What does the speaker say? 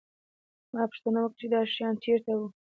ما پوښتنه وکړه چې دا شیان چېرته وو